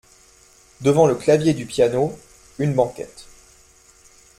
Devant le clavier du piano, une banquette.